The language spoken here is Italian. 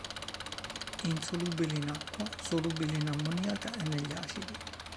Insolubile in acqua, solubile in ammoniaca e negli acidi.